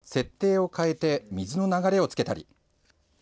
設定を変えて水の流れをつけたり。